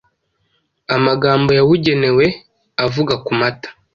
amagambo yabugenewe avuga ku mata,